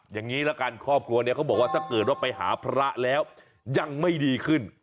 อย่างนี้ละกันครอบครัวเนี่ยเขาบอกว่าถ้าเกิดว่าไปหาพระแล้วยังไม่ดีขึ้น